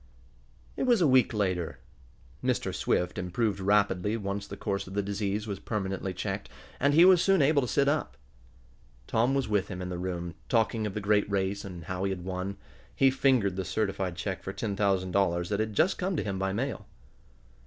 It was a week later. Mr. Swift improved rapidly once the course of the disease was permanently checked, and he was soon able to sit up. Tom was with him in the room, talking of the great race, and how he had won. He fingered the certified check for ten thousand dollars that had just come to him by mail.